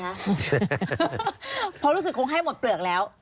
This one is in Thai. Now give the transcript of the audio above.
เพราะรู้สึกคงให้หมดเปลือกแล้ว